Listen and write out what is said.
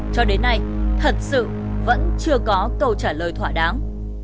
cho đến nay thật sự vẫn chưa có câu trả lời thỏa đáng